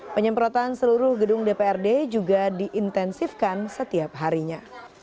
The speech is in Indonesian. penyemprotan seluruh gedung dprd juga diintensifkan setiap harinya